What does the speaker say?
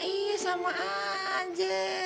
iya sama aja